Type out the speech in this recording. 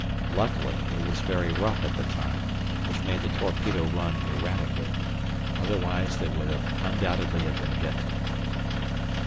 Luckily it was very rough at the time, which made the torpedo run erratically, otherwise they would undoubtedly have been hit.